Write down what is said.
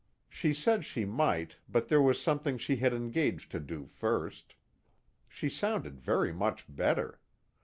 She said she might, but there was something she had engaged to do first. She sounded very much better.